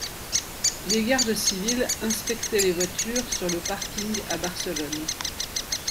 Les gardes civils inspectaient les voitures sur le parking à Barcelone.